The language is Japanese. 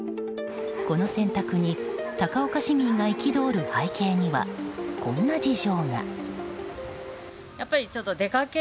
この選択に高岡市民が憤る背景にはこんな事情が。